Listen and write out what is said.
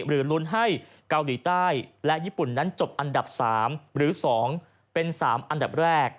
ลุ้นให้เกาหลีใต้และญี่ปุ่นนั้นจบอันดับ๓หรือ๒เป็น๓อันดับแรก